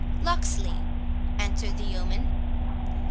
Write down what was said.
"Locksley," answered the yeoman.